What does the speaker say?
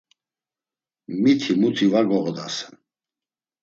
Miti, muti va goğodasen!